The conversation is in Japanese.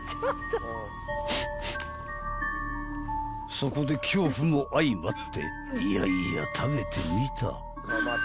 ［そこで恐怖も相まって嫌々食べてみた］